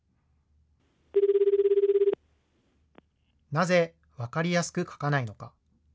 なぜ分かりやすく書かないのか。